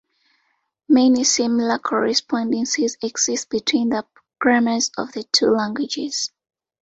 Many similar correspondences exist between the grammars of the two languages.